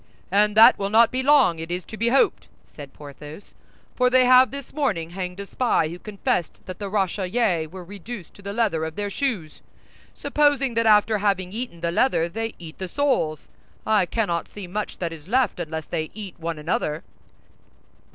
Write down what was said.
"And that will not be long, it is to be hoped," said Porthos; "for they have this morning hanged a spy who confessed that the Rochellais were reduced to the leather of their shoes. Supposing that after having eaten the leather they eat the soles, I cannot see much that is left unless they eat one another."